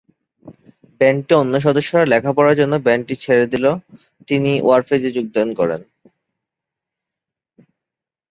ব্যান্ডটি অন্য সদস্যরা লেখাপড়ার জন্য ব্যান্ডটি ছেড়ে গেলে তিন ওয়ারফেইজ-এ যোগ দেন।